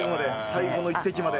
最後の一滴まで。